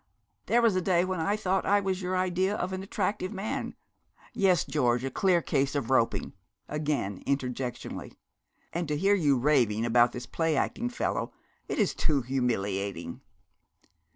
'There was a day when I thought I was your idea of an attractive man. Yes, George, a clear case of roping,' again interjectionally. 'And to hear you raving about this play acting fellow it is too humiliating.'